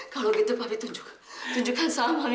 kalau gitu papi tunjukkan sama mami